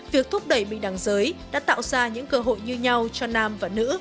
việc thúc đẩy bình đẳng giới đã tạo ra những cơ hội như nhau cho nam và nữ